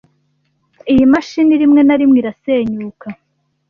Iyi mashini rimwe na rimwe irasenyuka.